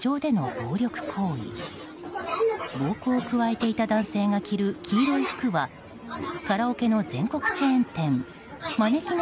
暴行を加えていた男性が着る黄色い服はカラオケの全国チェーン店まねきね